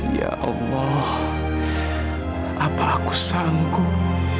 ya allah apa aku sanggup